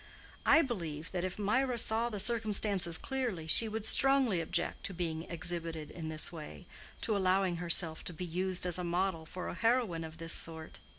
I believe that if Mirah saw the circumstances clearly, she would strongly object to being exhibited in this way—to allowing herself to be used as a model for a heroine of this sort."